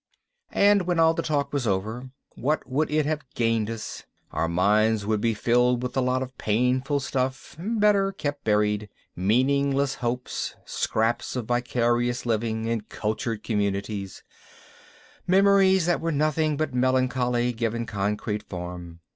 And when all the talk was over, what would it have gained us? Our minds would be filled with a lot of painful stuff better kept buried meaningless hopes, scraps of vicarious living in "cultured" communities, memories that were nothing but melancholy given concrete form.